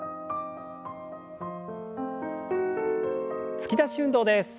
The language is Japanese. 突き出し運動です。